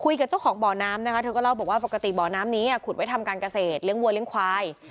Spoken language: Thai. คุยกับเจ้าของบ่อน้ำนะคะเธอก็เล่าบอกว่าปกติบ่อน้ำนี้ขุดไว้ทำการเกษตรเลี้ยวัวเลี้ยงควาย